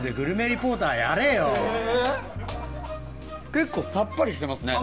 結構さっぱりしてますね。